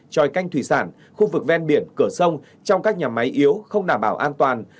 tròi canh thủy sản khu vực ven biển cửa sông trong các nhà máy yếu không đảm bảo an toàn